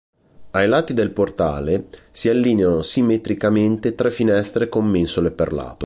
Ai lati del portale si allineano simmetricamente tre finestre con mensole per lato.